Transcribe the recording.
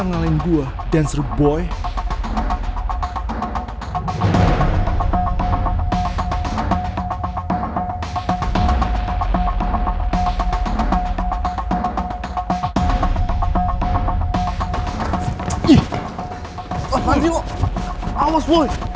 jangan sampai duster boy yang duluin gue